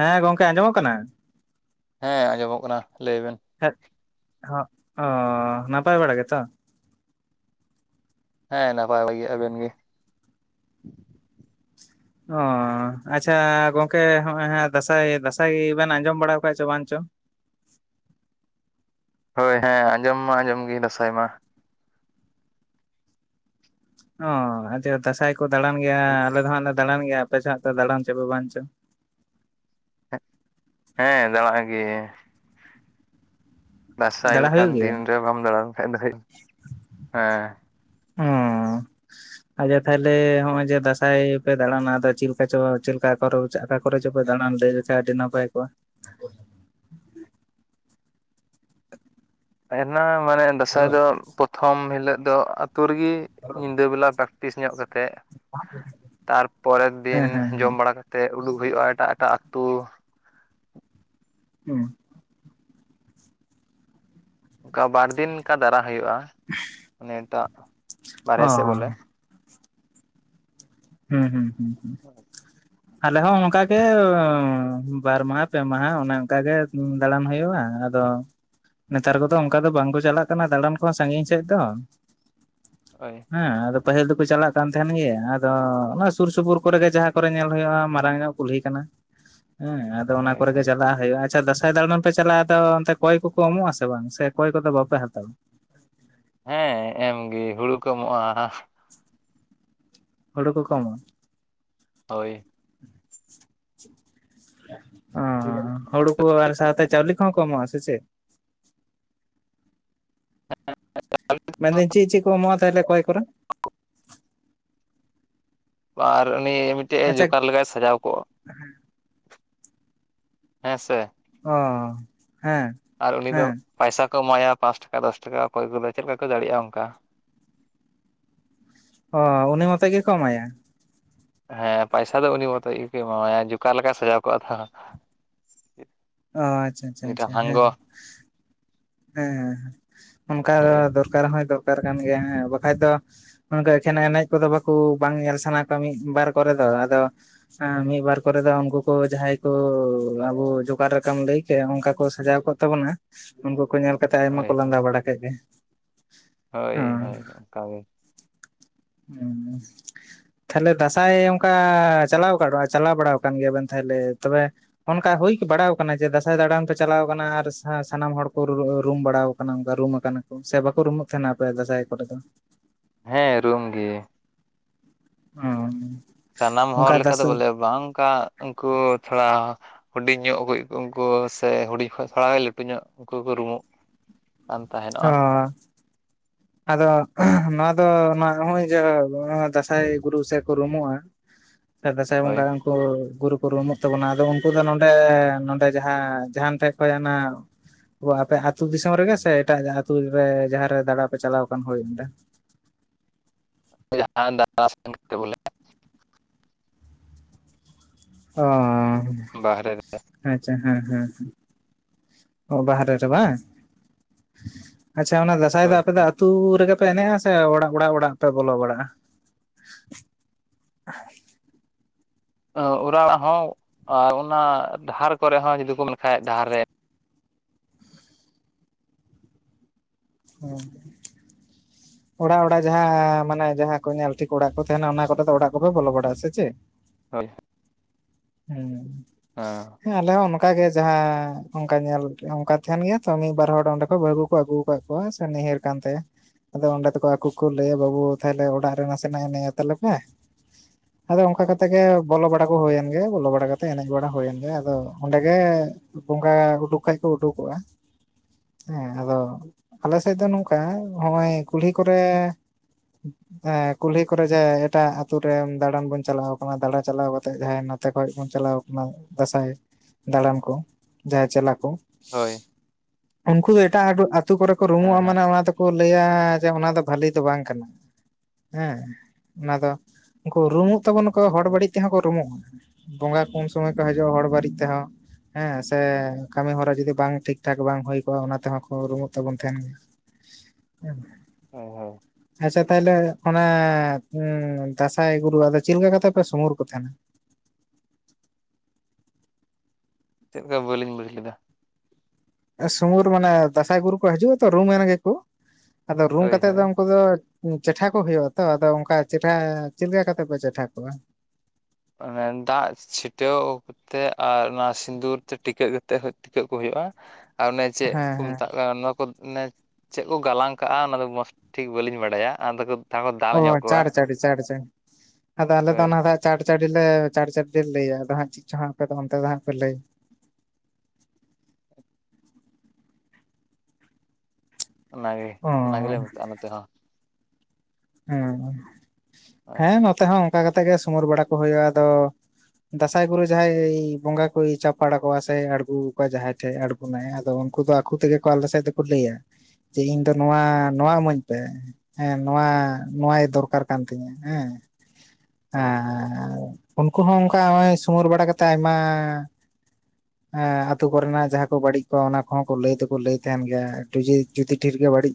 ᱦᱮᱸ ᱜᱚᱝᱠᱮ ᱟᱸᱡᱚᱢᱚᱜ ᱠᱟᱱᱟ ᱦᱮᱸ ᱟᱸᱡᱚᱢᱚᱜ ᱠᱟᱱᱟ ᱞᱟᱹᱭᱵᱤᱱ [unintelligible] ᱦᱚᱸ ᱚ ᱱᱟᱯᱟᱭ ᱵᱟᱲᱟ ᱜᱮᱛᱚ ᱦᱮᱸ ᱱᱟᱯᱟᱭ ᱵᱷᱟᱹᱜᱤ ᱟᱵᱮᱱ ᱜᱮ ᱚ ᱟᱪᱪᱷᱟ ᱜᱚᱝᱠᱮ ᱱᱚᱸᱚᱭ ᱦᱟᱸᱜ ᱫᱟᱸᱥᱟᱭ [unintelligible] ᱵᱮᱱ ᱟᱸᱡᱚᱢ ᱵᱟᱲᱟ ᱟᱠᱟᱫ ᱪᱚ ᱵᱟᱝ ᱪᱚ ᱦᱳᱭ ᱦᱮᱸ ᱟᱸᱡᱚᱢ ᱢᱟ ᱟᱸᱡᱚᱢ ᱜᱮ ᱫᱟᱸᱥᱟᱭ ᱢᱟ ᱚᱻ ᱟᱪᱪᱷᱟ ᱫᱟᱸᱥᱟᱭ ᱠᱚ ᱫᱟᱬᱟᱱ ᱜᱮᱭᱟ ᱟᱞᱮ ᱫᱚ ᱦᱟᱸᱜ ᱞᱮ ᱫᱟᱬᱟᱱ ᱜᱮᱭᱟ ᱟᱯᱮ ᱥᱮᱫ ᱦᱟᱸᱜ ᱫᱟᱬᱟᱱ ᱪᱚ ᱯᱮ ᱵᱟᱝ ᱪᱚ ᱦᱮᱸ ᱫᱟᱬᱟ ᱜᱮ ᱫᱟᱸᱥᱟᱭ ᱫᱟᱬᱟ ᱞᱮᱠᱟᱱ ᱦᱩᱭᱩᱜ ᱜᱮᱭᱟ ᱫᱤᱱ ᱨᱮ ᱵᱟᱢ ᱫᱟᱬᱟᱱ ᱠᱷᱟᱡ ᱫᱚ [unintelligible] ᱦᱮᱸ ᱚ ᱟᱪᱷᱟ ᱛᱟᱦᱚᱞᱮ ᱱᱚᱜ ᱚᱭ ᱡᱮ ᱫᱟᱸᱥᱟᱭ ᱯᱮ ᱫᱟᱬᱟᱱᱟ ᱟᱫᱚ ᱪᱮᱫ ᱞᱮᱠᱟ ᱪᱚ ᱪᱮᱫ ᱞᱮᱠᱟ ᱠᱚ ᱠᱚᱨᱮ ᱪᱚᱯᱮ ᱫᱟᱬᱟᱱ ᱞᱟᱹᱭ ᱞᱮᱠᱷᱟᱱ ᱟᱹᱰᱤ ᱱᱟᱯᱟᱭ ᱠᱚᱜᱼᱟ [unintelligible] ᱢᱟᱱᱮ ᱫᱟᱸᱥᱟᱭ ᱦᱮᱞᱳ ᱫᱚ ᱯᱨᱚᱛᱷᱚᱢ ᱦᱤᱞᱟᱹᱜ ᱫᱚ ᱟᱛᱳ ᱨᱮᱜᱮ ᱧᱤᱫᱟᱹ ᱵᱮᱞᱟ [unintelligible] ᱰᱟᱠᱟᱨ ᱯᱨᱮᱠᱴᱤᱥ ᱧᱚᱜ ᱠᱟᱛᱮᱫ ᱛᱟᱨᱯᱚᱨᱮᱨ ᱦᱮᱸ ᱫᱤᱱ ᱦᱮᱸ ᱡᱚᱢ ᱵᱟᱲᱟ ᱠᱟᱛᱮ ᱠᱟᱛᱮᱫ ᱩᱰᱩᱠ ᱦᱩᱭᱩᱜᱼᱟ ᱮᱴᱟᱜ ᱮᱴᱟᱜ ᱟᱹᱛᱩ ᱦᱮᱸ ᱚᱱᱠᱟ ᱵᱟᱨ ᱫᱤᱱ ᱞᱮᱠᱟ ᱫᱟᱲᱟ ᱦᱩᱭᱩᱜᱼᱟ ᱢᱟᱱᱮ ᱮᱴᱟᱜ [unintelligible] ᱵᱟᱦᱨᱮ ᱚ ᱥᱮᱫ ᱵᱚᱞᱮ [unintelligible] ᱦᱩᱸ ᱦᱩᱸ ᱦᱩᱸ ᱦᱩᱸ ᱟᱞᱮ ᱦᱚᱸ ᱚᱱᱠᱟᱜᱮ ᱵᱟᱨ ᱢᱟᱦᱟ ᱯᱮ ᱢᱟᱦᱟ ᱚᱱᱮ ᱚᱱᱠᱟ ᱜᱮ ᱫᱟᱬᱟᱱ ᱦᱩᱭᱩᱜᱼᱟ ᱟᱫᱚ ᱱᱮᱛᱟᱨ ᱠᱚᱫᱚ ᱚᱱᱠᱟ ᱫᱚ ᱵᱟᱝ ᱠᱚ ᱪᱟᱞᱟᱜ ᱠᱟᱱᱟ ᱫᱟᱬᱟᱱ ᱠᱚᱦᱚᱸ ᱥᱟᱺᱜᱤᱧ ᱥᱮᱫ ᱫᱚ ᱦᱳᱭ ᱦᱮᱸ ᱟᱫᱚ ᱯᱟᱹᱦᱤᱞ ᱫᱚᱠᱚ ᱪᱟᱞᱟᱜ ᱠᱟᱱ ᱛᱟᱦᱮᱱ ᱜᱮᱭᱟ ᱟᱫᱚ ᱚᱱᱟ ᱥᱩᱨ ᱥᱩᱯᱩᱨ ᱠᱚᱨᱮᱜᱮ ᱡᱟᱦᱟᱸ ᱠᱚᱨᱮ ᱧᱮᱞ ᱦᱩᱭᱩᱜᱼᱟ ᱢᱟᱨᱟᱝ ᱧᱚᱜ ᱠᱩᱞᱦᱤ ᱠᱟᱱᱟ ᱦᱮᱸ ᱟᱫᱚ ᱚᱱᱟ ᱦᱳᱭ ᱠᱚᱨᱮᱜ ᱜᱮ ᱦᱳᱭ ᱪᱟᱞᱟᱜ ᱦᱩᱭᱩᱜᱼᱟ ᱟᱪᱪᱷᱟ ᱫᱟᱸᱥᱟᱭ ᱫᱟᱬᱟᱱ ᱯᱮ ᱪᱟᱞᱟᱜ ᱟᱫᱚ ᱚᱱᱛᱮ ᱠᱚᱭ ᱠᱚᱠᱚ ᱮᱢᱚᱜ ᱟᱥᱮ ᱵᱟᱝ ᱥᱮ ᱠᱚᱭ ᱠᱚᱫᱚ ᱵᱟᱯᱮ ᱦᱟᱛᱟᱣ-ᱟ ᱦᱮᱸ ᱮᱢᱜᱮ ᱦᱩᱲᱩ ᱠᱚ ᱮᱢᱚᱜᱼᱟ [unintelligible] ᱦᱩᱲᱩ ᱠᱚ ᱠᱚ ᱮᱢᱚᱜ-ᱟ ᱦᱳᱭ ᱚ [unintelligible] ᱦᱩᱲᱩ ᱠᱚ ᱟᱨ ᱥᱟᱶᱛᱮ ᱪᱟᱣᱞᱮ ᱠᱚᱦᱚᱸ ᱠᱚ ᱮᱢᱚᱜ-ᱟ ᱥᱮ ᱪᱮᱫ ᱢᱮᱱ ᱮᱫᱟᱹᱧ ᱪᱮᱫ ᱪᱮᱫ ᱠᱚ ᱮᱢᱚᱜᱼᱟ ᱛᱟᱦᱚᱞᱮ ᱠᱚᱭ ᱠᱚᱨᱮ ᱟᱨ ᱩᱱᱤ ᱢᱤᱫᱴᱮᱡ ᱟᱪᱪᱷᱟ ᱡᱚᱠᱟᱨ ᱞᱮᱠᱟᱭ ᱥᱟᱡᱟᱣ ᱠᱚᱜᱼᱟ [unintelligible] ᱦᱮᱸ ᱥᱮ ᱚ [unintelligible] ᱦᱮᱸ ᱟᱨ ᱩᱱᱤ [unintelligible] ᱫᱚ ᱦᱮᱸ ᱯᱟᱭᱥᱟ ᱠᱚ ᱮᱢᱟᱭᱟ ᱯᱟᱸᱪ ᱴᱟᱠᱟ ᱫᱚᱥ ᱴᱟᱠᱟ ᱚᱠᱚᱭ ᱠᱚᱫᱚ ᱪᱮᱫ ᱞᱮᱠᱟ ᱠᱚ ᱫᱟᱲᱮᱭᱟᱜᱼᱟ ᱚᱱᱠᱟ ᱚ ᱩᱱᱤ ᱢᱚᱛᱚ ᱜᱮᱠᱚ ᱮᱢᱟᱭᱟ ᱦᱮᱸ ᱯᱚᱭᱥᱟ ᱫᱚ ᱩᱱᱤ ᱢᱚᱛᱚ ᱜᱮᱠᱚ ᱮᱢᱟᱣᱟᱭᱟ ᱡᱚᱠᱟᱨ ᱞᱮᱠᱟᱭ ᱥᱟᱡᱟᱣ ᱠᱚᱜᱼᱟ ᱛᱚ ᱚ ᱟᱪᱪᱷᱟ ᱟᱪᱪᱷᱟ ᱢᱤᱫᱴᱟᱝ ᱟᱪᱪᱷᱟ᱾ ᱦᱮᱸ ᱦᱟᱝᱜᱚ ᱦᱮᱸ [unintelligible] ᱚᱱᱠᱟ ᱫᱚ ᱦᱳᱭ ᱫᱚᱨᱠᱟᱨ ᱦᱚᱸᱭ ᱫᱚᱨᱠᱟᱨ ᱠᱟᱱ ᱜᱮᱭᱟ ᱦᱮᱸ ᱵᱟᱠᱷᱟᱡ ᱫᱚ ᱚᱱᱠᱟ ᱮᱠᱷᱮᱱᱟ ᱮᱱᱮᱡ ᱠᱚᱫᱚ ᱵᱟᱠᱚ ᱵᱟᱝ ᱧᱮᱞ ᱥᱟᱱᱟ ᱠᱚᱣᱟ ᱢᱤᱫ ᱵᱟᱨ ᱠᱚᱨᱮ ᱫᱚ ᱟᱫᱚ ᱦᱮᱸ ᱢᱤᱫ ᱵᱟᱨ ᱠᱚᱨᱮ ᱫᱚ ᱩᱱᱠᱩ ᱠᱚ ᱡᱟᱦᱟᱸᱭ ᱠᱚ ᱟᱵᱚ ᱡᱚᱠᱟᱨ ᱟᱠᱟᱢ ᱞᱟᱹᱭ ᱚᱱᱠᱟ ᱠᱚ ᱥᱟᱡᱟᱣ ᱠᱚᱜ ᱛᱟᱵᱚᱱᱟ ᱩᱱᱠᱩ ᱠᱚ ᱧᱮᱞ ᱠᱟᱛᱮᱜ ᱟᱭᱢᱟ ᱦᱳᱭ ᱠᱚ ᱞᱟᱸᱫᱟ ᱵᱟᱲᱟ ᱠᱮᱫ ᱜᱮ ᱦᱳᱭ ᱚ ᱦᱳᱭ ᱚᱱᱠᱟ ᱜᱮ ᱦᱩᱸ ᱛᱟᱦᱞᱮ ᱫᱟᱸᱥᱟᱭ ᱚᱱᱠᱟ ᱪᱟᱞᱟᱣ [unintelligible] [unintelligible] ᱵᱟᱲᱟ ᱟᱠᱟᱱ ᱜᱮᱭᱟᱵᱮᱱ ᱛᱟᱦᱚᱞᱮ ᱛᱚᱵᱮ ᱚᱱᱠᱟ ᱦᱩᱭ ᱵᱟᱲᱟᱣ ᱟᱠᱟᱱᱟ ᱡᱮ ᱫᱟᱸᱥᱟᱭ ᱫᱟᱬᱟᱱ ᱯᱮ ᱪᱟᱞᱟᱣ ᱟᱠᱟᱱᱟ ᱟᱨ ᱥᱟᱱᱟᱢ ᱦᱚᱲ ᱠᱚ ᱨᱩᱢ ᱵᱟᱲᱟᱣ ᱚᱱᱠᱟ ᱨᱩᱢ ᱟᱠᱟᱱᱟ ᱠᱚ ᱥᱮ ᱵᱟᱠᱚ ᱨᱩᱢᱚᱜ ᱛᱟᱦᱮᱱᱟ ᱟᱯᱮ ᱫᱟᱸᱥᱟᱭ ᱠᱚᱨᱮ ᱫᱚ ᱦᱮᱸ ᱨᱩᱢ ᱜᱮ ᱦᱚᱸ ᱥᱟᱱᱟᱢ ᱦᱚᱲ ᱞᱮᱠᱟ ᱫᱚ ᱵᱚᱞᱮ ᱵᱟᱝ ᱚᱱᱠᱟ ᱩᱱᱠᱩ ᱛᱷᱚᱲᱟ ᱦᱩᱰᱤᱧᱚᱜ ᱠᱚ ᱩᱱᱠᱩ ᱥᱮ ᱦᱩᱰᱤᱧ ᱠᱷᱚᱡ ᱛᱷᱚᱲᱟ ᱜᱮ ᱞᱟᱹᱴᱩ ᱧᱚᱜ ᱩᱱᱠᱩ ᱨᱩᱢᱩᱜ ᱚ ᱛᱟᱦᱮᱱᱚᱜᱼᱟ ᱟᱫᱚ ᱱᱚᱣᱟ ᱫᱚ ᱱᱚ ᱱᱚᱜᱚᱭ ᱡᱮ ᱫᱟᱸᱥᱟᱭ ᱜᱩᱨᱩ ᱥᱮ ᱠᱚ ᱨᱩᱢᱩᱜᱼᱟ ᱫᱟᱸᱥᱟᱭ ᱦᱳᱭ ᱵᱚᱝᱜᱟ ᱜᱩᱨᱩ ᱠᱚ ᱨᱩᱢᱩᱜ ᱛᱟᱵᱚᱱᱟ ᱟᱫᱚ ᱩᱱᱠᱩ ᱫᱚ ᱱᱚᱰᱮ ᱱᱚᱰᱮ ᱡᱟᱦᱟ ᱡᱟᱦᱟᱱ ᱴᱷᱮᱡ ᱠᱷᱚᱡ ᱳ ᱟᱯᱮ ᱟᱹᱛᱩ ᱫᱤᱥᱚᱢ ᱨᱮᱜᱮ ᱥᱮ ᱮᱴᱟᱜ ᱟᱹᱛᱩ ᱨᱮ ᱡᱟᱦᱟᱸᱨᱮ ᱫᱟᱬᱟ ᱯᱮ ᱪᱟᱞᱟᱣ ᱟᱠᱟᱱ ᱦᱳᱭ ᱚᱱᱰᱮ [unintelligible] ᱚ ᱵᱟᱦᱨᱮ ᱨᱮ ᱟᱪᱪᱷᱟ ᱦᱮᱸ ᱦᱮᱸ᱾ ᱚ ᱵᱟᱦᱨᱮ ᱨᱮ ᱵᱟᱝ ᱟᱪᱪᱷᱟ ᱚᱱᱟ ᱫᱟᱸᱥᱟᱭ ᱦᱳᱭ ᱫᱚ ᱟᱯᱮ ᱫᱚ ᱟᱹᱛᱩ ᱨᱮᱜᱮ ᱯᱮ ᱮᱱᱮᱡ-ᱟ, ᱥᱮ ᱚᱲᱟᱜ ᱚᱲᱟᱜ ᱚᱲᱟᱜ ᱯᱮ ᱵᱚᱞᱚ ᱵᱟᱲᱟᱜᱼᱟ ᱚᱨᱟᱲᱟᱜ ᱦᱚᱸ ᱟᱨ ᱚᱱᱟ ᱰᱟᱦᱟᱨ ᱠᱚᱨᱮ ᱦᱚᱸ ᱡᱩᱫᱤ ᱠᱚ ᱢᱮᱱ ᱠᱷᱟᱭᱮᱫ ᱰᱟᱦᱟᱨ ᱨᱮ ᱚ ᱚᱲᱟᱜ ᱚᱲᱟᱜ ᱡᱟᱦᱟᱸ ᱢᱟᱱᱮ ᱡᱟᱦᱟᱸ ᱠᱚ ᱧᱮᱞ ᱴᱷᱤᱠ ᱚᱲᱟᱜ ᱠᱚ ᱛᱟᱦᱮᱱᱟ ᱚᱱᱟ ᱠᱚᱛᱮ ᱫᱚ ᱚᱲᱟᱜ ᱠᱚᱯᱮ ᱵᱚᱞᱚ ᱵᱟᱲᱟᱜᱼᱟ᱾ ᱥᱮ ᱪᱮᱫ? ᱦᱳᱭ ᱦᱮᱸ ᱦᱮᱸ ᱟᱞᱮ ᱦᱚᱸ ᱚᱱᱠᱟᱜ ᱜᱮ ᱡᱟᱦᱟᱸ ᱚᱱᱠᱟ ᱧᱮᱞ ᱚᱱᱠᱟ ᱛᱟᱦᱮᱱ ᱜᱮᱭᱟ ᱛᱚ ᱢᱤᱫ ᱵᱟᱨ ᱦᱚᱲ ᱚᱸᱰᱮ ᱠᱚ [unintelligible] ᱟᱹᱜᱩ ᱠᱟ ᱠᱚᱣᱟ ᱥᱮ ᱱᱟᱭᱦᱟᱨ ᱠᱟᱱ ᱛᱟᱭᱟ ᱟᱫᱚ ᱚᱸᱰᱮ ᱫᱚᱠᱚ ᱟᱠᱚ ᱠᱚ ᱞᱟᱹᱭᱟ ᱵᱟᱹᱵᱩ ᱛᱟᱦᱚᱞᱮ ᱚᱲᱟᱜ ᱨᱮ ᱱᱟᱥᱮᱱᱟᱜ ᱮᱱᱮᱡ ᱟᱛᱟ ᱞᱮᱯᱮ ᱟᱫᱚ ᱚᱱᱠᱟ ᱠᱟᱛᱮᱜ ᱜᱮ ᱵᱚᱞᱚ ᱵᱟᱲᱟ ᱠᱚ ᱦᱳᱭᱳ-ᱟ ᱵᱚᱞᱚ ᱵᱟᱲᱟ ᱠᱟᱛᱮᱜ ᱮᱱᱮᱡ ᱵᱟᱲᱟ ᱦᱩᱭᱮᱱ ᱜᱮ ᱟᱫᱚ ᱚᱸᱰᱮ ᱜᱮ ᱵᱚᱸᱜᱟ ᱩᱰᱩᱠ ᱠᱷᱟᱱᱡ ᱠᱚ ᱩᱰᱩᱠᱚᱜᱼᱟ ᱦᱮᱸ ᱟᱫᱚ ᱟᱞᱮ ᱥᱮᱫ ᱫᱚ ᱱᱚᱝᱠᱟ ᱱᱚᱜᱼᱚᱭ ᱠᱩᱞᱦᱤ ᱠᱚᱨᱮ [unintelligible] ᱠᱩᱞᱦᱤ ᱠᱚᱨᱮ ᱡᱮ ᱮᱴᱟᱜ ᱟᱛᱩ ᱨᱮ ᱫᱟᱬᱟᱱ ᱵᱚᱱ ᱪᱟᱞᱟᱣ ᱠᱟᱱᱟ ᱫᱟᱬᱟᱱ ᱪᱟᱞᱟᱣ ᱠᱟᱛᱮᱜ ᱡᱟᱦᱟᱸ ᱛᱮ ᱠᱷᱚᱡ ᱵᱚᱱ ᱪᱟᱞᱟᱣ ᱠᱟᱱᱟ ᱫᱟᱸᱥᱟᱭ ᱫᱟᱬᱟᱱ ᱠᱚ ᱡᱟᱦᱟᱸᱭ ᱪᱮᱞᱟ ᱠᱚ ᱦᱳᱭ ᱩᱱᱠᱩ ᱫᱚ ᱮᱴᱟᱜ ᱟᱛᱳ ᱠᱚᱨᱮ ᱠᱚ ᱦᱮᱸ ᱨᱩᱢᱩᱜᱼᱟ ᱦᱮᱸ ᱢᱟᱱᱮ ᱚᱱᱟ ᱫᱚ ᱠᱚ ᱞᱟᱹᱭᱟ ᱡᱮ ᱚᱱᱟ ᱫᱚ ᱵᱷᱟᱞᱮ ᱫᱚ ᱵᱟᱝ ᱠᱟᱱᱟ᱾ ᱦᱮᱸ᱾ ᱚᱱᱟ ᱫᱚ ᱩᱱᱠᱩ ᱨᱩᱢᱩᱜ ᱛᱟᱵᱚᱱᱟ ᱠᱚ ᱦᱚᱲ ᱦᱳᱭ ᱵᱟᱹᱲᱤᱡ ᱛᱮᱦᱚᱸ ᱠᱚ ᱨᱩᱢᱩᱜᱼᱟ᱾ ᱵᱚᱸᱜᱟ ᱠᱚ ᱥᱚᱢᱚᱭ ᱠᱚ ᱦᱤᱡᱩᱜᱼᱟ ᱦᱚᱲ ᱵᱟᱲᱤᱡ ᱛᱮᱦᱚᱸ ᱦᱮᱸ ᱥᱮ ᱠᱟᱹᱢᱤ ᱦᱚᱨᱟ ᱡᱩᱫᱤ ᱵᱟᱝ ᱴᱷᱤᱠ ᱴᱷᱟᱠ ᱵᱟᱝ ᱦᱩᱭ ᱠᱚᱜᱼᱟ ᱚᱱᱟ ᱛᱮᱦᱚᱸᱠᱚ ᱨᱩᱢᱩᱜ ᱛᱟᱵᱚᱱ ᱛᱟᱦᱮᱱ ᱜᱮ᱾ [unintelligible] ᱦᱳᱭ ᱦᱳᱭ ᱟᱪᱪᱷᱟ ᱛᱟᱦᱚᱞᱮ ᱚᱱᱮ ᱫᱟᱸᱥᱟᱸᱭ ᱜᱩᱨᱩ ᱟᱫᱚ ᱪᱮᱫ ᱞᱮᱠᱟ ᱠᱟᱛᱮ ᱯᱮ ᱥᱩᱢᱩᱨ ᱠᱚ ᱛᱟᱦᱮᱸᱱᱟ? ᱪᱮᱫ ᱞᱮᱠᱟ ᱵᱟᱹᱞᱤᱧ ᱵᱩᱡᱽ ᱞᱮᱫᱟ ᱥᱚᱢᱩᱨ ᱢᱟᱱᱮ ᱫᱟᱸᱥᱟᱸᱭ ᱜᱩᱨᱩ ᱠᱚ ᱦᱤᱡᱩᱜᱼᱟ ᱛᱚ ᱨᱩᱢᱮᱱ ᱜᱮᱠᱚ ᱟᱫᱚ ᱨᱩᱢ ᱦᱳᱭ ᱠᱟᱛᱮᱫ ᱦᱳᱭ ᱫᱚ ᱩᱱᱠᱩ ᱫᱚ ᱪᱮᱴᱷᱟ ᱠᱚ ᱦᱩᱭᱩᱜᱼᱟ ᱛᱚ᱾ ᱟᱫᱚ ᱚᱱᱠᱟ ᱪᱮᱴᱷᱟ ᱪᱮᱫ ᱞᱮᱠᱟ ᱠᱟᱛᱮᱫ ᱯᱮ ᱪᱮᱴᱷᱟ ᱠᱚᱣᱟ ᱚᱱᱮ ᱫᱟᱜ ᱪᱷᱤᱴᱟᱹᱣ ᱚᱠᱛᱮ ᱟᱨ ᱚᱱᱟ ᱥᱤᱸᱫᱩᱨ ᱛᱮ ᱴᱤᱠᱟᱹᱜ ᱠᱟᱛᱮᱜ ᱴᱤᱠᱟᱹᱜ ᱠᱚ ᱦᱩᱭᱩᱜᱼᱟ᱾ ᱟᱨ ᱚᱱᱮ ᱪᱮᱫ ᱦᱮᱸ ᱠᱚ ᱦᱮᱸ ᱢᱮᱛᱟᱜ ᱱᱚᱣᱟ ᱠᱚ ᱢᱮ ᱪᱮᱫ ᱠᱚ ᱜᱟᱞᱟᱝ ᱠᱟᱜᱼᱟ ᱚᱱᱟᱫᱚ ᱢᱚᱡᱽ ᱴᱷᱤᱠ ᱵᱟᱹᱞᱤᱧ ᱵᱟᱰᱟᱭᱟ ᱟᱫᱚ ᱡᱟᱦᱟᱸ ᱠᱚ ᱫᱟᱞ ᱚ ᱧᱚᱜ ᱠᱚᱣᱟ ᱪᱟᱲ ᱪᱟᱹᱲᱤ, ᱪᱟᱲ ᱪᱟᱹᱲᱤ ᱟᱫᱚ ᱟᱞᱮ ᱫᱚ ᱦᱳᱭ ᱚᱱᱟ ᱫᱚ ᱦᱟᱸᱜ ᱪᱟᱲ ᱪᱟᱹᱲᱤ ᱞᱮ ᱪᱟᱲ ᱪᱟᱲᱤ ᱞᱮ ᱞᱟᱹᱭᱟ ᱟᱫᱚ ᱦᱟᱸᱜ ᱪᱮᱫ ᱪᱚ ᱦᱟᱸᱜ ᱟᱯᱮ ᱚᱱᱛᱮ ᱫᱚ ᱦᱟᱸᱜ ᱯᱮ ᱞᱟᱹᱭ ᱚᱱᱟᱜᱮ ᱚ ᱚᱱᱟ ᱜᱮᱞᱮ ᱢᱮᱛᱟᱜᱼᱟ ᱱᱚᱛᱮ ᱦᱚᱸ ᱦᱮᱸ ᱦᱳᱭ ᱦᱮᱸ ᱱᱚᱛᱮ ᱦᱚᱸ ᱚᱱᱠᱟ ᱠᱟᱛᱮ ᱜᱮ ᱥᱩᱢᱩᱨ ᱵᱟᱲᱟ ᱠᱚ ᱦᱩᱭᱩᱜᱼᱟ ᱟᱫᱚ ᱫᱟᱸᱥᱟᱸᱭ ᱜᱩᱨᱩ ᱡᱟᱦᱟᱸᱭ ᱵᱚᱸᱜᱟ ᱠᱚᱭ ᱪᱟᱯᱟᱲ ᱟᱠᱚᱣᱟ ᱥᱮᱭ ᱟᱬᱜᱳ ᱠᱚᱣᱟᱭ ᱡᱟᱦᱟᱸᱭ ᱴᱷᱮᱡ ᱟᱬᱜᱳ [unintelligible] ᱟᱫᱚ ᱩᱱᱠᱩ ᱫᱚ ᱟᱠᱚ ᱛᱮᱜᱮ ᱠᱚ ᱟᱞᱮ ᱥᱮᱫ ᱫᱚᱠᱚ ᱞᱟᱹᱭᱟ ᱡᱮ ᱤᱧ ᱫᱚ ᱱᱚᱣᱟ ᱱᱚᱣᱟ ᱤᱢᱟᱹᱧ ᱯᱮ ᱦᱮᱸ ᱱᱚᱣᱟ ᱱᱚᱣᱟᱭ ᱫᱚᱨᱠᱟᱨ ᱠᱟᱱ ᱛᱤᱧᱟᱹ ᱦᱮᱸ ᱦᱳᱭ ᱦᱳᱭ ᱟᱻᱨ ᱩᱱᱠᱩ ᱦᱚᱸ ᱚᱱᱠᱟ ᱱᱚᱜᱼᱚᱭ ᱥᱚᱢᱟᱹᱨ ᱵᱟᱲᱟ ᱠᱟᱛᱮ ᱟᱭᱢᱟ ᱟᱛᱳ ᱠᱚᱨᱮᱱᱟᱜ ᱡᱟᱦᱟᱸ ᱠᱚ ᱵᱟᱹᱲᱤᱡ ᱠᱚ ᱚᱱᱟ ᱠᱚᱦᱚᱸ ᱠᱚ ᱞᱟᱹᱭ ᱫᱚᱠᱚ ᱞᱟᱹᱭ ᱛᱟᱦᱮᱸᱱ ᱜᱮᱭᱟ ᱴᱩᱫᱤ ᱡᱩᱫᱤ ᱰᱷᱮᱨ ᱜᱮ ᱵᱟᱹᱲᱤᱡ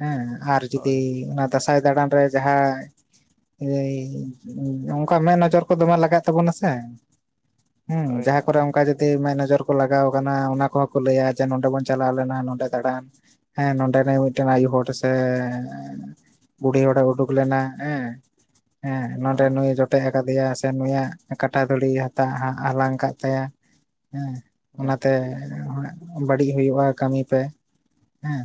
ᱦᱮᱸ ᱟᱨ ᱡᱩᱫᱤ ᱦᱳᱭ ᱚᱱᱟ ᱫᱟᱸᱥᱟᱭ ᱫᱟᱬᱟᱱ ᱨᱮ ᱡᱟᱦᱟᱸ ᱚᱱᱠᱟ ᱢᱮᱫ ᱱᱚᱡᱚᱨ ᱠᱚ ᱫᱚᱢᱮ ᱞᱟᱜᱟᱜ ᱛᱟᱵᱚᱱᱟ ᱥᱮ ᱦᱩᱸ ᱦᱳᱭ ᱡᱟᱦᱟᱸ ᱦᱳᱭ ᱠᱚᱨᱮ ᱚᱱᱠᱟ ᱡᱩᱫᱤ ᱡᱩᱫᱤ ᱢᱮᱫ ᱱᱚᱡᱚᱨ ᱠᱚ ᱞᱟᱜᱟᱣ ᱠᱟᱱᱟ ᱚᱱᱟ ᱠᱚᱦᱚᱸ ᱠᱚ ᱞᱟᱹᱭᱟ ᱡᱮ ᱱᱚᱰᱮ ᱵᱚᱱ ᱪᱟᱞᱟᱣ ᱞᱮᱱᱟ ᱱᱚᱰᱮ ᱫᱟᱬᱟᱱ ᱦᱮᱸ ᱱᱚᱸᱰᱮᱱᱤᱡ ᱢᱤᱫ ᱴᱮᱱ ᱟᱭᱳ ᱦᱚᱲ ᱥᱮ ᱵᱩᱰᱦᱤ ᱦᱚᱲᱮ ᱩᱰᱩᱠ ᱞᱮᱱᱟ ᱦᱮᱸ ᱦᱮᱸ ᱱᱚᱰᱮ ᱱᱚᱩᱭ [inaudible] ᱟᱴᱮᱡ ᱟᱠᱟᱫᱮᱭᱟ ᱥᱮ ᱱᱩᱭᱟᱜ ᱠᱟᱴᱟ ᱫᱷᱩᱲᱤ ᱦᱟᱛᱟᱣ ᱦᱟᱞᱟᱝ ᱠᱟᱫ ᱛᱟᱭᱟ ᱦᱮᱸ ᱦᱳᱭ ᱚᱱᱟ ᱛᱮ ᱵᱟᱹᱲᱤᱡ ᱦᱩᱭᱩᱜᱼᱟ ᱠᱟᱹᱢᱤ ᱯᱮ ᱦᱮᱸ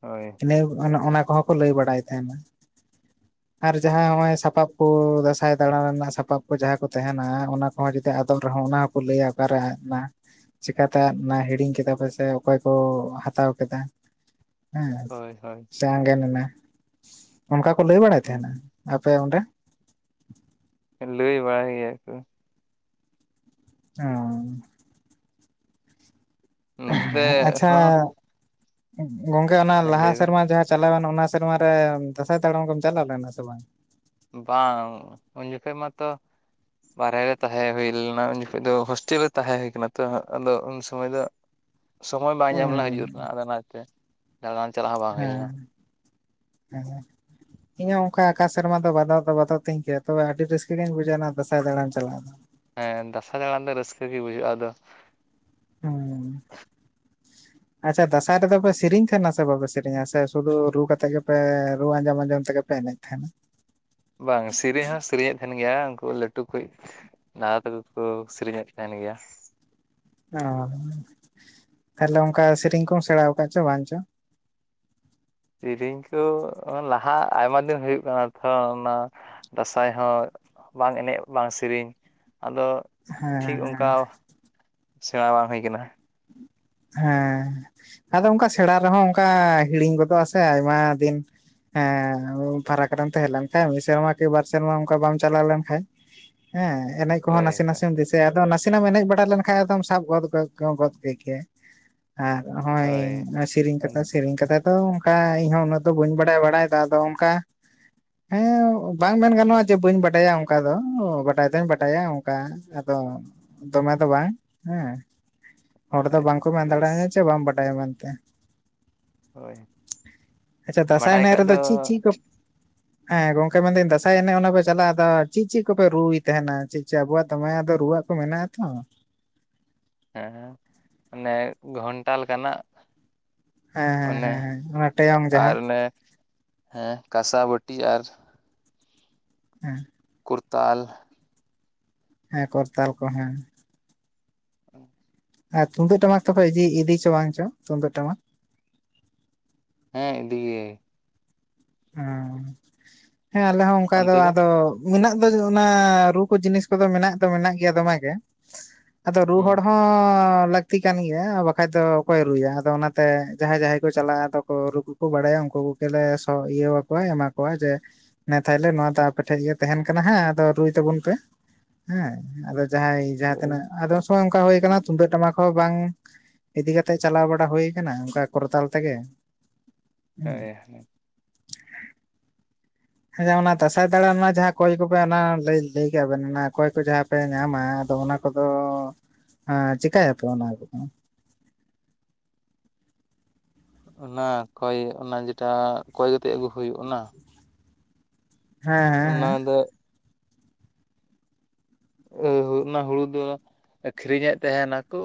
ᱦᱳᱭ ᱤᱱᱟᱹ ᱚᱱᱟ ᱾ ᱚᱱᱟ ᱠᱚᱦᱚᱸ ᱠᱚ ᱞᱟᱹᱭ ᱵᱟᱲᱟᱭ ᱛᱟᱦᱮᱸᱱᱟ ᱟᱨ ᱡᱟᱦᱟᱸ ᱱᱚᱜᱼᱚᱭ ᱥᱟᱯᱟᱵ ᱠᱤ ᱫᱟᱸᱥᱟᱸᱭ ᱫᱟᱬᱟᱱ ᱨᱮᱱᱟᱜ ᱥᱟᱯᱟᱵ ᱠᱚ ᱡᱟᱦᱟᱸ ᱠᱚ ᱛᱟᱦᱮᱸᱱᱟ ᱚᱱᱟ ᱠᱚᱦᱚᱸ ᱡᱩᱫᱤ ᱟᱫᱚᱜ ᱨᱮᱦᱚᱸ ᱚᱱᱟ ᱠᱚ ᱞᱟᱹᱭᱟ ᱚᱠᱟᱨᱮ ᱟᱫᱱᱟ ᱪᱮᱠᱟ ᱛᱮ ᱚᱱᱟ ᱦᱤᱲᱤᱧ ᱠᱮᱫᱟ ᱯᱮ ᱥᱮ ᱚᱠᱚᱭ ᱠᱚ ᱦᱟᱛᱟᱣ ᱠᱮᱫᱟ ᱦᱮᱸ ᱦᱳᱭ ᱦᱳᱭ ᱥᱮ ᱟᱸᱜᱮᱱ ᱮᱱᱟ ᱚᱱᱠᱟ ᱠᱚ ᱞᱟᱹᱭ ᱵᱟᱲᱟᱭ ᱛᱟᱦᱮᱸᱱᱟ ᱦᱩᱸ ᱟᱯᱮ ᱚᱸᱰᱮ ᱞᱟᱹᱭ ᱵᱟᱲᱟᱭ ᱜᱮᱭᱟ ᱠᱚ ᱚᱻ ᱱᱚᱛᱮ ᱦᱚᱸ ᱜᱚᱢᱠᱮ ᱚᱱᱟ ᱦᱮᱸ ᱞᱟᱦᱟ ᱞᱟᱹᱭ ᱵᱮᱱ ᱥᱮᱨᱢᱟ ᱡᱟᱦᱟᱸ ᱪᱟᱞᱟᱣᱮᱱ ᱚᱱᱟ ᱥᱮᱨᱢᱟ ᱨᱮ ᱫᱟᱸᱥᱟᱸᱭ ᱫᱟᱲᱟᱱ ᱠᱚᱢ ᱪᱟᱞᱟᱣ ᱞᱮᱱᱟ ᱥᱮ ᱵᱟᱝ ᱵᱟᱝ ᱩᱱ ᱡᱚᱠᱷᱚᱡ ᱢᱟ ᱛᱚ ᱵᱟᱦᱮᱨᱮ ᱨᱮ ᱛᱟᱦᱮᱸ ᱦᱩᱭ ᱞᱮᱱᱟ ᱩᱱ ᱡᱚᱠᱷᱚᱡ ᱫᱚ ᱦᱳᱥᱴᱮᱞ ᱨᱮ ᱛᱟᱦᱮᱸ ᱦᱩᱭ ᱠᱟᱱᱟ ᱛᱚ ᱟᱫᱚ ᱩᱱ ᱥᱚᱢᱚᱭ ᱫᱚ ᱥᱚᱢᱚᱭ ᱵᱟᱝ ᱧᱟᱢ ᱞᱮᱱᱟ ᱦᱩᱸ ᱦᱤᱡᱩᱜ ᱨᱮᱱᱟᱜ ᱟᱫᱚ ᱚᱱᱟ ᱛᱮ ᱫᱟᱲᱟᱱ ᱪᱟᱞᱟᱜ ᱦᱚᱸ ᱵᱟᱝ ᱦᱩᱭ ᱞᱮᱱᱟ ᱦᱮᱸ ᱦᱮᱸ ᱦᱮᱸ ᱤᱧᱟᱹᱜ ᱦᱚᱸ ᱚᱱᱠᱟ ᱟᱠᱟ ᱥᱮᱨᱢᱟ ᱫᱚ ᱵᱟᱫᱚᱜ ᱵᱟᱫᱚᱜ ᱛᱤᱧ ᱜᱮᱭᱟ ᱛᱚᱵᱮ ᱟᱹᱰᱤ ᱨᱟᱹᱥᱠᱟᱹ ᱜᱤᱧ ᱵᱩᱡ ᱚᱱᱟ ᱫᱟᱸᱥᱟᱸᱭ ᱫᱟᱬᱟᱱ ᱪᱟᱞᱟᱜ ᱫᱚ ᱦᱮᱸ ᱫᱟᱸᱥᱟᱭ ᱫᱟᱬᱟᱱ ᱫᱚ ᱨᱟᱹᱥᱠᱟᱹ ᱜᱮ ᱵᱩᱡᱷᱟᱹᱜᱼᱟ ᱟᱫᱚ ᱦᱮᱸ ᱟᱪᱷᱟ ᱫᱟᱸᱥᱟᱸᱭ ᱨᱮᱫᱚ ᱯᱮ ᱥᱮᱨᱮᱤᱧ ᱛᱟᱦᱮᱸᱱᱟ ᱥᱮ ᱵᱟᱯᱮ ᱥᱮᱨᱮᱧᱟ ᱥᱮ ᱥᱩᱫᱩ ᱨᱩ ᱠᱟᱛᱮᱜ ᱜᱮᱯᱮ ᱨᱩ ᱟᱸᱡᱚᱢ ᱟᱸᱡᱚᱢ ᱛᱮᱜᱮ ᱯᱮ ᱮᱱᱮᱡ ᱛᱟᱦᱮᱸᱱᱟ ᱵᱟᱝ ᱥᱮᱹᱨᱮᱧ ᱦᱚᱸ ᱥᱮᱨᱮᱧᱼᱮᱫ ᱛᱟᱦᱮᱸᱱ ᱜᱮᱭᱟ ᱩᱱᱠᱩ ᱞᱟᱹᱴᱩ ᱠᱩᱡ ᱫᱟᱫᱟ ᱛᱟᱠᱚ ᱠᱚ ᱥᱮᱨᱮᱧ ᱮᱫ ᱛᱟᱦᱮᱸᱱ ᱜᱮᱭᱟ ᱚ ᱛᱟᱦᱚᱞᱮ ᱚᱱᱠᱟ ᱥᱮᱨᱮᱧ ᱠᱚᱢ ᱥᱮᱬᱟ ᱟᱠᱟᱫ ᱪᱚ ᱵᱟᱝ ᱪᱚ ᱥᱮᱨᱮᱧ ᱠᱚ ᱞᱟᱦᱟ ᱟᱭᱢᱟ ᱫᱤᱱ ᱦᱩᱭᱩᱜ ᱠᱟᱱᱟ ᱛᱚ ᱚᱱᱟ ᱫᱟᱸᱥᱟᱸᱭ ᱦᱚᱸ ᱵᱟᱝ ᱮᱱᱮᱡ ᱵᱟᱝ ᱥᱮᱨᱮᱧ ᱟᱫᱚ ᱦᱮᱸ ᱴᱷᱤᱠ ᱚᱱᱠᱟ ᱥᱮᱬᱟ ᱵᱟᱝ ᱦᱩᱭ ᱠᱟᱱᱟ ᱦᱮᱸ ᱟᱫᱚ ᱚᱱᱠᱟ ᱥᱮᱬᱟ ᱨᱮᱦᱚᱸ ᱚᱱᱠᱟ ᱦᱤᱲᱤᱧ ᱜᱚᱫᱚᱜ-ᱟ ᱥᱮ ᱟᱭᱢᱟ ᱫᱤᱱ ᱦᱮᱸ ᱳᱣ ᱯᱷᱟᱨᱟᱠ ᱨᱮᱢ ᱛᱟᱦᱮᱸ ᱞᱮᱱᱠᱷᱟᱡ ᱢᱤᱫ ᱥᱮᱨᱢᱟ ᱠᱤ ᱵᱟᱨ ᱥᱮᱨᱢᱟ ᱚᱱᱠᱟ ᱵᱟᱢ ᱪᱟᱞᱟᱣ ᱞᱮᱱᱠᱷᱟᱡ ᱦᱮᱸ ᱮᱱᱮᱡ ᱠᱚᱦᱚᱸ ᱦᱳᱭ ᱱᱟᱥᱮ ᱦᱳᱭ ᱱᱟᱥᱮᱢ ᱫᱤᱥᱟᱹ ᱟᱫᱚ ᱱᱟᱥᱮᱱᱟᱜ ᱮᱢ ᱮᱱᱮᱡ ᱵᱟᱲᱟ ᱞᱮᱱᱠᱷᱟᱡ ᱟᱫᱚᱢ ᱥᱟᱵ ᱜᱚᱫᱽ ᱜᱚ ᱜᱚᱫ ᱠᱮ ᱜᱮᱭᱟ᱾ ᱟᱨ ᱦᱚᱸᱜ-ᱚᱭ ᱱᱚᱭ ᱥᱤᱨᱤᱧ ᱦᱳᱭ ᱠᱟᱛᱮᱫ ᱥᱤᱨᱤᱧ ᱠᱟᱛᱮᱫ ᱛᱟᱹᱣ ᱚᱱᱠᱟ ᱤᱧᱦᱚᱸ ᱩᱱᱟᱹᱜ ᱫᱚ ᱵᱟᱹᱧ ᱵᱟᱰᱟᱭᱟ ᱵᱟᱲᱟᱭ ᱫᱚ ᱟᱫᱚ ᱚᱱᱠᱟᱼᱼ ᱦᱮᱸ ᱵᱟᱝ ᱢᱮᱱ ᱜᱟᱱᱚᱜ-ᱟ ᱡᱮ ᱵᱟᱹᱧ ᱵᱟᱰᱟᱭᱟ ᱚᱱᱠᱟ ᱫᱚ ᱾ ᱵᱟᱰᱟᱭ ᱫᱚᱧ ᱵᱟᱰᱟᱭᱟ ᱚᱱᱠᱟ᱾ ᱟᱫᱚ ᱫᱚᱢᱮ ᱫᱚ ᱵᱟᱝ ᱦᱮᱸ᱾ ᱦᱚᱲ ᱫᱚ ᱵᱟᱝᱠᱚ ᱢᱮᱱ ᱵᱮᱥ ᱫᱟᱲᱮᱭᱟ ᱧᱟ ᱪᱮ ᱵᱟᱢ ᱵᱟᱰᱟᱭᱟ ᱢᱮᱱᱛᱮ᱾ ᱦᱳᱭ ᱟᱪᱪᱷᱟ ᱫᱟᱸᱥᱟᱭ ᱵᱟᱰᱟᱭ ᱮᱱᱮᱡ ᱠᱟᱜ ᱫᱚ ᱨᱮᱫᱚ ᱪᱤᱜ ᱪᱤᱜ ᱠᱚᱯᱼᱼ ᱦᱮᱸ ᱜᱚᱝᱠᱮ ᱢᱮᱱ ᱫᱟᱹᱧ ᱫᱟᱸᱥᱟᱸᱭ ᱮᱱᱮᱡ ᱚᱱᱮ ᱯᱮ ᱪᱟᱞᱟᱜᱼᱟ ᱟᱫᱚ ᱪᱤᱫ ᱪᱤᱫ ᱠᱚᱯᱮ ᱨᱩᱭ ᱛᱟᱦᱮᱸᱱᱟ ᱪᱮᱫ ᱪᱮᱫ ᱟᱵᱚᱣᱟᱜ ᱛᱟᱢᱟᱭᱟᱜ ᱫᱚ ᱨᱩᱣᱟᱜ ᱠᱚᱢ ᱮᱱᱮᱡ ᱟ ᱛᱚ ᱦᱮᱸ ᱢᱟᱱᱮ ᱜᱷᱚᱱᱴᱟ ᱞᱮᱠᱟ ᱱᱟᱜ᱾ ᱦᱮᱸ ᱦᱮᱸ ᱚᱱᱮ ᱦᱮᱸ ᱚᱱᱟ ᱴᱮᱭᱚᱝ ᱟᱨ ᱡᱟᱦᱟᱸ ᱚᱱᱮ ᱦᱮᱸ ᱠᱟᱸᱥᱟ ᱵᱟᱹᱴᱤ ᱟᱨᱼᱼ ᱦᱮᱸ᱾ ᱠᱩᱨᱛᱟᱞ᱾ ᱦᱮᱸ ᱠᱚᱨᱛᱟᱞ ᱠᱚ ᱦᱮᱸ᱾ ᱚᱸ᱾ ᱟᱨ ᱛᱩᱢᱫᱟᱹᱜ ᱴᱟᱢᱟᱠ ᱛᱚᱯᱮ ᱤᱫᱤᱭ ᱤᱫᱤᱭ ᱪᱚ ᱵᱟᱝ ᱪᱚ ᱛᱩᱢᱫᱟᱹᱜ ᱴᱟᱢᱟᱠ ᱦᱮᱸ ᱤᱫᱤ ᱜᱮ᱾ ᱦᱚᱸ ᱦᱮᱸ ᱟᱞᱮ ᱦᱚᱸ ᱚᱱᱠᱟ ᱫᱚ ᱟᱫᱚᱼᱼ ᱢᱤᱱᱟᱜ ᱫᱚ ᱡᱮ ᱚᱱᱟ ᱨᱩ ᱠᱚ ᱡᱤᱱᱤᱥ ᱠᱚᱫᱚ ᱢᱮᱱᱟᱜ ᱫᱚ ᱢᱮᱱᱟᱜ ᱜᱮᱭᱟ ᱫᱚᱢᱮ ᱜᱮ᱾ ᱟᱫᱚ ᱨᱩ ᱦᱩᱸ ᱦᱚᱲᱚᱲ ᱦᱚᱸ ᱞᱟᱹᱠᱼᱼ ᱛᱤ ᱠᱟᱱ ᱜᱮᱭᱟ ᱵᱟᱠᱷᱟᱡ ᱫᱚ ᱚᱠᱚᱭ ᱨᱩᱭᱟ ᱟᱫᱚ ᱚᱱᱟᱛᱮ ᱡᱟᱦᱟᱸᱭ ᱡᱟᱦᱟᱸᱭ ᱠᱚ ᱪᱟᱞᱟᱜ-ᱟ ᱟᱫᱚ ᱠᱚ ᱨᱩ ᱠᱚᱼᱼ ᱠᱚ ᱵᱟᱲᱟᱭᱟ ᱩᱱᱠᱩ ᱠᱚᱜᱮ ᱞᱮ ᱥᱚ ᱤᱭᱟᱹ ᱣᱟᱠᱚᱣᱟ ᱮᱢᱟ ᱠᱚᱣᱟ ᱡᱮᱼᱼ ᱱᱮ ᱛᱟᱦᱮᱞᱮ ᱱᱚᱣᱟ ᱫᱚ ᱟᱯᱮ ᱴᱷᱮᱡ ᱜᱮ ᱛᱟᱦᱮᱱ ᱠᱟᱱᱟ ᱦᱟᱸᱜ ᱟᱫᱚ ᱨᱩᱭ ᱛᱟᱵᱩᱱ ᱯᱮ᱾ ᱦᱮᱸ ᱟᱫᱚ ᱡᱟᱦᱟᱸᱭ ᱡᱟᱦᱟᱸ ᱦᱳᱭ ᱛᱤᱱᱟᱹᱜ ᱟᱫᱚ ᱩᱱ ᱥᱚᱢᱟᱹᱭ ᱚᱱᱠᱟ ᱦᱩᱭ ᱠᱟᱱᱟ ᱛᱩᱢᱫᱟᱹᱜ ᱴᱟᱢᱟᱠ ᱦᱚᱸ ᱵᱟᱝᱼᱼ ᱤᱫᱤ ᱠᱟᱛᱮᱜ ᱪᱟᱞᱟᱣ ᱵᱟᱲᱟ ᱦᱩᱭ ᱠᱟᱱᱟ ᱚᱱᱠᱟ ᱠᱚᱨᱛᱟᱞ ᱛᱮᱜᱮ, ᱦᱮᱸ᱾ ᱦᱳᱭ [unintelligible] ᱦᱮᱸ ᱡᱟᱦᱟᱸ ᱚᱱᱟ ᱫᱟᱸᱥᱟᱸᱭ ᱫᱟᱬᱟᱱ ᱢᱟ ᱡᱟᱦᱟᱸ ᱠᱚᱭ ᱠᱚᱯᱮ ᱚᱱᱟ ᱞᱟᱹᱭ ᱞᱟᱹᱭ ᱠᱟᱜ ᱵᱮᱱ ᱚᱱᱟ ᱠᱚᱭ ᱠᱚ ᱡᱟᱦᱟᱸᱼᱼ ᱯᱮ ᱧᱟᱢᱟ ᱟᱫᱚ ᱚᱱᱟ ᱠᱚᱫᱚ ᱮᱸᱪᱮᱠᱟ ᱭᱟᱯᱮ ᱚᱱᱟ ᱠᱚᱫᱚᱸ? ᱚᱱᱟ ᱠᱚᱭ ᱚᱱᱟ ᱡᱮᱴᱟ ᱠᱚᱭ ᱠᱟᱛᱮᱜ ᱟᱹᱜᱩ ᱦᱩᱭᱩᱜ ᱚᱱᱟᱼᱼ ᱦᱮᱸ ᱦᱮᱸ ᱚᱱᱟ ᱦᱮᱸ᱾ ᱫᱚ ᱚᱸᱻ ᱚᱱᱟ ᱦᱩᱲᱩ ᱫᱚ ᱟᱹᱠᱷᱨᱤᱧᱮᱜ ᱛᱮᱦᱮᱸ ᱱᱟᱠᱩ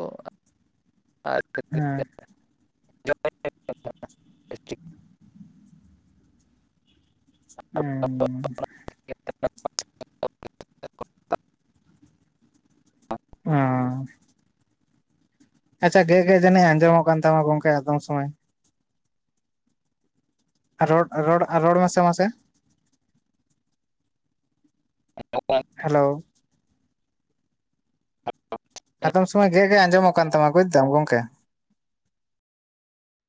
ᱟᱨ [inaudible] ᱦᱮᱸ᱾ ᱦᱮᱸ ᱢᱟᱱᱮ᱾ [inaudible] ᱚᱸᱻ᱾ ᱟᱪᱪᱷᱟ ᱜᱮᱜ ᱜᱮᱜ ᱡᱟᱹᱱᱤᱡ ᱟᱸᱡᱚᱢᱚᱜ ᱠᱟᱱ ᱛᱟᱢᱟ ᱜᱚᱝᱠᱮ ᱟᱫᱚᱢ ᱥᱚᱢᱟᱹᱭ᱾ ᱨᱚᱲ ᱨᱚᱲ ᱨᱚᱲ ᱢᱮ ᱥᱮ ᱢᱟᱥᱮ᱾ [unintelligible] ᱦᱮᱞᱳᱣ᱾ ᱟᱫᱚᱢ ᱥᱚᱢᱟᱹᱭ ᱜᱮᱜ ᱜᱮᱜ ᱟᱸᱡᱚᱢᱚᱜ ᱠᱟᱱ ᱛᱟᱢᱟ ᱵᱩᱡᱽ ᱫᱟᱢ ᱜᱚᱝᱠᱮ᱾